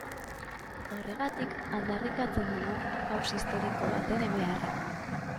Horregatik aldarrikatzen dugu jauzi historiko baten beharra.